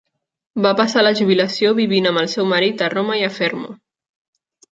Va passar la jubilació vivint amb el seu marit a Roma i a Fermo.